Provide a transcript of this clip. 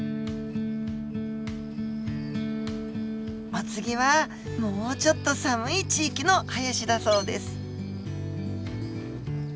お次はもうちょっと寒い地域の林だそうです。